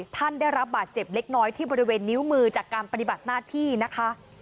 ท่านได้รับบาดเจ็บเล็กน้อยที่บริเวณนิ้วมือจากการปฏิบัติหน้าที่นะคะ